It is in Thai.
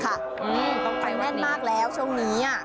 นี่ต้องไปแว่นมากแล้วช่วงนี้